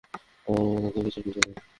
আমার কথা তো কিছুই শুনছো না!